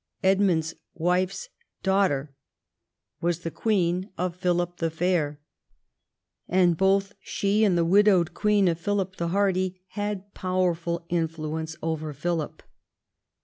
Edmund's wife's daughter was the queen of Philip the Fair, and both she and the widowed queen of Philip the Hardy had powerful influence over Philip.